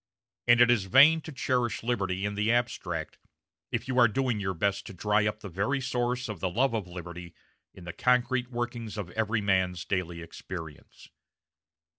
And it is vain to cherish liberty in the abstract if you are doing your best to dry up the very source of the love of liberty in the concrete workings of every man's daily experience.